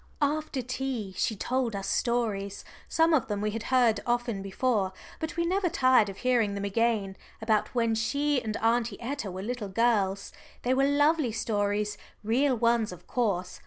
After tea she told us stories some of them we had heard often before, but we never tired of hearing them again about when she and Aunty Etta were little girls. They were lovely stories real ones of course.